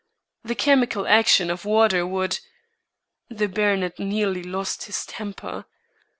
The chemical action of water would The baronet nearly lost his temper.